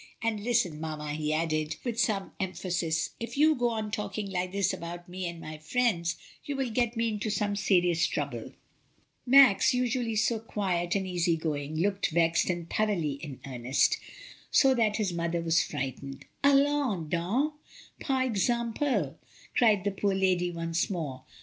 "And, listen, mamma," he added, with some em A WEDDING PARTY. 1 45 phasis, "if you go on talking like this about me and my firiends, you will get me into some serious trouble." Max, usually so quiet and easy going, looked vexed and thoroughly in earnest, so that his mother was frightened. ^AUons done I par exemphy* cried the poor lady once more.